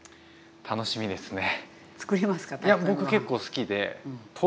楽しみですね。